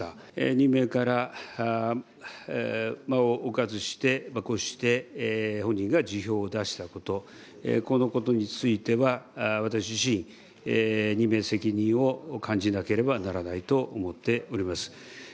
任命から間を置かずして、こうして本人が辞表を出したこと、このことについては、私自身、任命責任を感じなければならないと思っております。